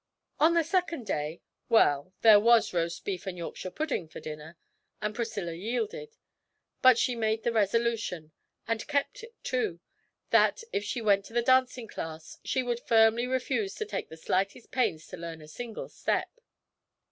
On the second day well, there was roast beef and Yorkshire pudding for dinner, and Priscilla yielded; but she made the resolution and kept it too that, if she went to the dancing class, she would firmly refuse to take the slightest pains to learn a single step.